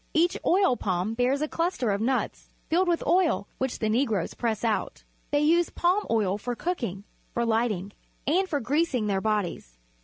Each oil palm bears a cluster of nuts, filled with oil, which the Negroes press out. They use palm oil for cooking, for light ing, and for greasing their bodies.